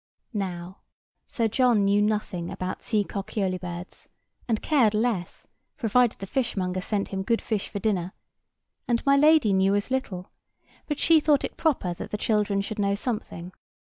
Now, Sir John knew nothing about sea cockyolybirds, and cared less, provided the fishmonger sent him good fish for dinner; and My Lady knew as little: but she thought it proper that the children should know something.